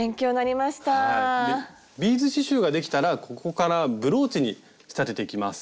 ビーズ刺しゅうができたらここからブローチに仕立てていきます。